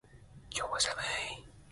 今日は寒い